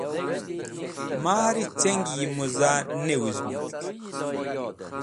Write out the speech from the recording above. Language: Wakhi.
mari ceng yi muza ne wuzmetk